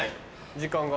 時間が。